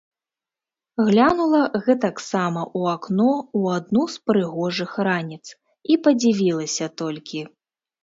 Глянула гэтаксама у акно ў адну з прыгожых раніц і падзівілася толькі.